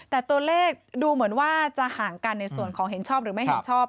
แต่ตัวเลขดูเหมือนว่าจะห่างกันในส่วนของเห็นชอบหรือไม่เห็นชอบ